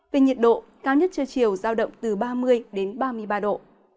về nhiệt độ cao nhất trưa chiều giao động từ ba mươi đến ba mươi ba độ